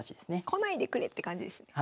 来ないでくれって感じですね。